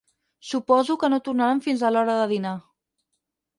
Suposo que no tornaran fins a l'hora de dinar.